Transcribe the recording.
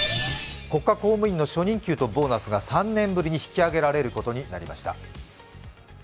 国家公務員の初任給とボーナスが３年ぶりに引き上げられることになりました。